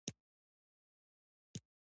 زردالو د افغانستان د اقتصاد برخه ده.